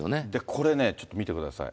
これね、ちょっと見てください。